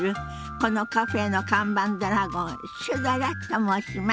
このカフェの看板ドラゴンシュドラと申します。